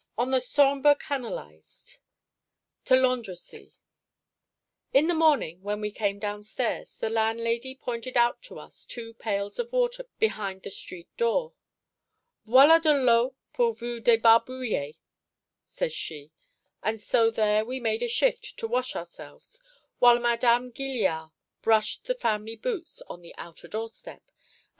ON THE SAMBRE CANALISED: TO LANDRECIES IN the morning, when we came downstairs, the landlady pointed out to us two pails of water behind the street door. 'Voilà de l'eau pour vous débarbouiller,' says she. And so there we made a shift to wash ourselves, while Madame Gilliard brushed the family boots on the outer doorstep, and M.